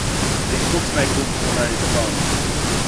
These books made Wolff more known in France.